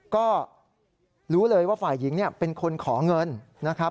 ก็รู้เลยว่าฝ่ายหญิงเป็นคนขอเงินนะครับ